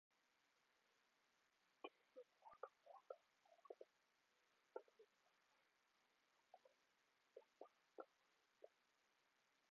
ډېر غوړ خواړه خوړل د زړه د رنګ او رګونو لپاره تاواني دي.